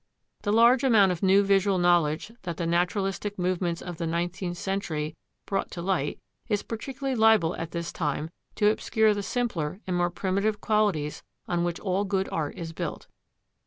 The large amount of new visual knowledge that the naturalistic movements of the nineteenth century brought to light is particularly liable at this time to obscure the simpler and more primitive qualities on which all good art is built.